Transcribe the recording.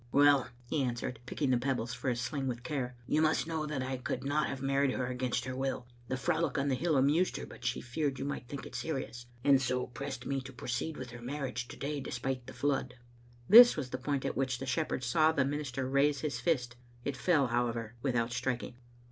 "Well," he answered, picking the pebbles for his sling with care, " you must know that I could not have married her against her will. The frolic on the hill amused her, but she feared you might think it serious, and so pressed me to proceed with her marriage to day despite the flood." This was the point at which the shepherd saw the minister raise his fist. It fell, however, without strik ing.